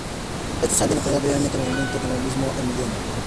Estos habían acordado previamente el movimiento con el mismo Emiliano.